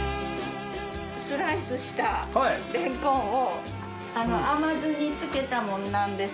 スライスしたれんこんを甘酢につけたものなんですよ。